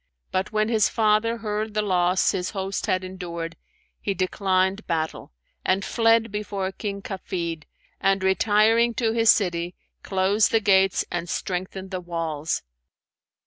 But when his father heard the loss his host had endured, he declined battle, and fled before King Kafid, and retiring to his city, closed the gates and strengthened the walls.